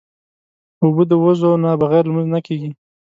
اوبه د وضو نه بغیر لمونځ نه کېږي.